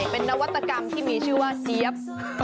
เป็นนวัตกรรมที่มีชื่อว่าเจี๊ยบ